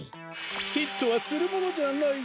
ヒットはするものじゃない。